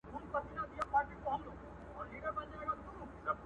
په میوندونو کي د زغرو قدر څه پیژني!